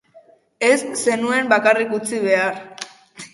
Ez zenuen bakarrik utzi behar.